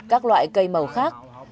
các loại cây màu khác